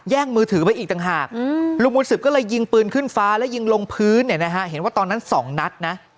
มือถือไปอีกต่างหากลุงบุญสืบก็เลยยิงปืนขึ้นฟ้าแล้วยิงลงพื้นเนี่ยนะฮะเห็นว่าตอนนั้น๒นัดนะ